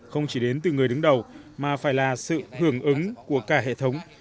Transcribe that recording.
không chỉ đến từ người đứng đầu mà phải là sự hưởng ứng của cả hệ thống